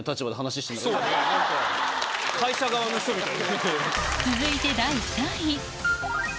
何か会社側の人みたい。